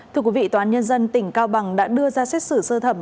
thưa quý vị tòa án nhân dân tỉnh cao bằng đã đưa ra xét xử sơ thẩm